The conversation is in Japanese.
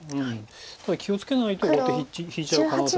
ただ気を付けないと後手引いちゃう。